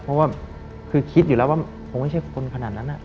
เพราะว่าคือคิดอยู่แล้วว่าคงไม่ใช่คนขนาดนั้น